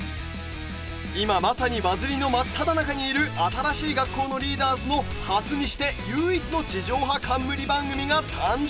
今まさにバズりの真っただ中にいる新しい学校のリーダーズの初にして唯一の地上波冠番組が誕生！